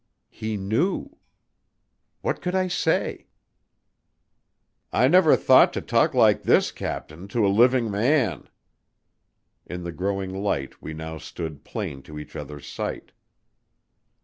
He knew. What could I say? "I never thought to talk like this, captain, to a living man." In the growing light we now stood plain to each other's sight.